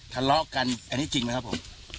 ทะเลาะกันอันนี้จริงไหมครับผม